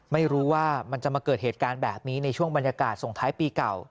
ไม่รู้ว่ามันจะมาเกิดเหตุการณ์แบบนี้ในช่วงบรรยากาศส่งท้ายปีเก่า